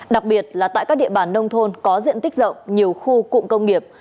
đặc biệt là tại các địa bàn nông thôn có diện tích rộng nhiều khu cụm công nghiệp